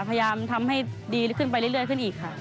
พยายามทำให้ดีขึ้นไปเรื่อยขึ้นอีกค่ะ